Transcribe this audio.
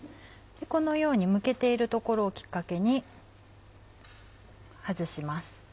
このようにむけている所をきっかけに外します。